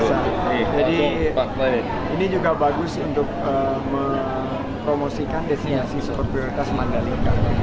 jadi ini juga bagus untuk mempromosikan destinasi super prioritas mandalika